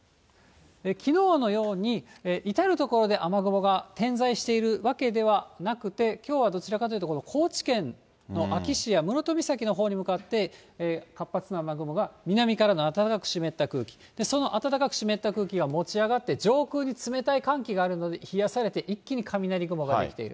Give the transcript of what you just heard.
きのうのように至る所で雨雲が点在しているわけではなくて、きょうはどちらかというと、高知県の安芸市や室戸岬のほうに向かって、活発な雨雲が南からの暖かく湿った空気、その暖かく湿った空気が持ち上がって、上空に冷たい寒気があるので、冷やされて、一気に雷雲が出来ている。